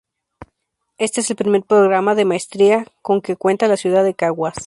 Este es el primer programa de Maestría con que cuenta la ciudad de Caguas.